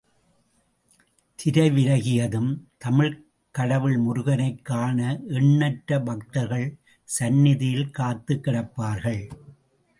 திரை விலகியதும், தமிழ்க் கடவுள் முருகனைக் காண எண்ணற்ற பக்தர்கள் சந்நிதியில் காத்துக் கிடப்பார்கள்.